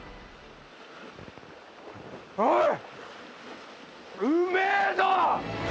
おい！